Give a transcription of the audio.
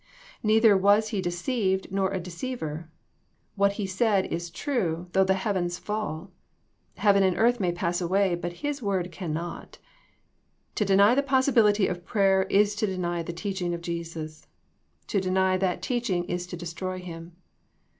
Neither was He deceived, nor a deceiver. What He said is true though the heavens fall. Heaven and earth may pass away, but His word cannot. To deny the possibility of prayer is to deny the teaching of Jesus. To deny that teaching is to destroy Him.